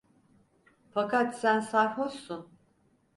Fakat sen sarhoşsun!